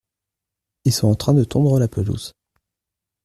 Ils sont en train de tondre la pelouse.